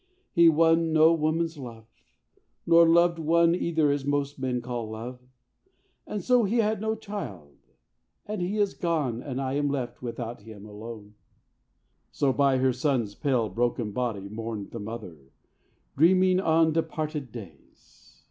he won no woman's love, Nor loved one either as most men call love, And so he had no child and he is gone And I am left without him and alone." So by her son's pale broken body mourned The mother, dreaming on departed days.